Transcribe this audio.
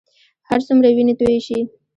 هرڅومره وینې تویې شي.